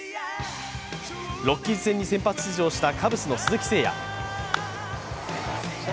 ロッキーズ戦に先発出場したカブスの鈴木誠也。